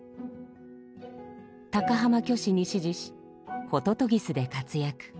高浜虚子に師事し「ホトトギス」で活躍。